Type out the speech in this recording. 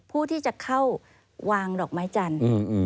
ผู้ที่จะเข้าวางดอกไม้จันทร์